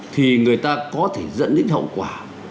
thì người ta có thể dẫn đến hậu quả